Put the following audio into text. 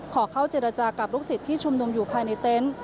ขอเข้าเจรจากับลูกศิษย์ที่ชุมนุมอยู่ภายในเต็นต์